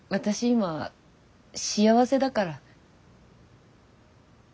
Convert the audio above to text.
今幸せだから。